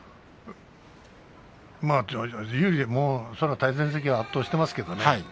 対戦成績では圧倒していますけどね